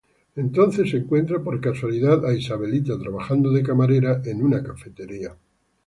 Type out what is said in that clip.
Entonces se encuentra por casualidad a Isabelita trabajando de camarera en una cafetería.